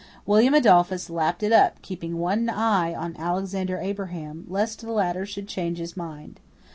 William Adolphus lapped it up, keeping one eye on Alexander Abraham lest the latter should change his mind.